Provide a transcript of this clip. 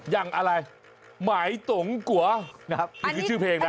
อย่างอะไรหมายตงกัวนี่คือชื่อเพลงนะ